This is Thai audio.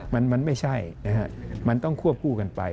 มันไม่ใช่นะฮะมันต้องควบคู่กันไป